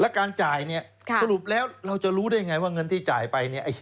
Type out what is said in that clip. แล้วการจ่ายสรุปแล้วเราจะรู้ได้อย่างไรว่าเงินที่จ่ายไป